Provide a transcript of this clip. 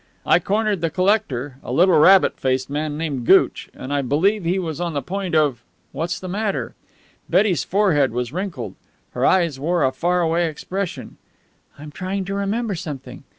I cornered the collector, a little, rabbit faced man named Gooch, and I believe he was on the point of What's the matter?" Betty's forehead was wrinkled. Her eyes wore a far away expression. "I'm trying to remember something.